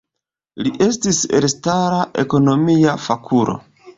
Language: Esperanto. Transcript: Li estis elstara ekonomia fakulo.